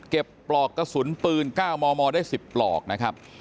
ปลอกกระสุนปืน๙มมได้๑๐ปลอกนะครับ